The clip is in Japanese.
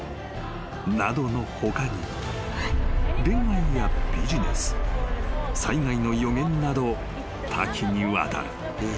［恋愛やビジネス災害の予言など多岐にわたる］